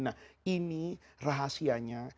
nah ini rahasianya